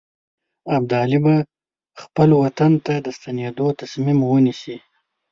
ابدالي به خپل وطن ته د ستنېدلو تصمیم ونیسي.